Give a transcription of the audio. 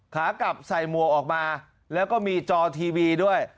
ขากลับใส่หมวกออกมาแล้วก็มีจอทีวีด้วย